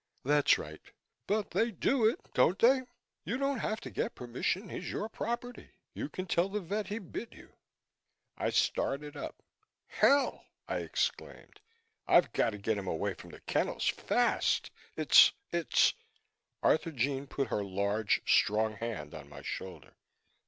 "That's right, but they do it, don't they? You don't have to get permission. He's your property. You can tell the vet he bit you " I started up. "Hell!" I exclaimed. "I've got to get him away from the kennels fast. It's it's " Arthurjean put her large, strong hand on my shoulder.